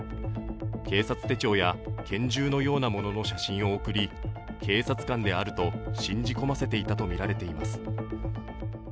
警察手帳や拳銃のようなものの写真を送り警察官であると信じ込ませていたとみられています。